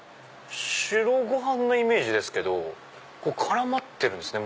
白ご飯のイメージですけど絡まってるんですね